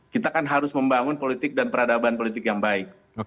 kita kan harus membangun politik dan peradaban politik yang baik